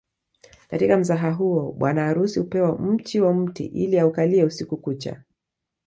Katika mzaha huo bwana harusi hupewa mchi wa mti ili aukalie usiku kucha